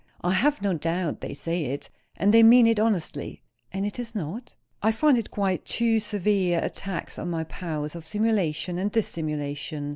"I have no doubt they say it. And they mean it honestly." "And it is not?" "I find it quite too severe a tax on my powers of simulation and dissimulation.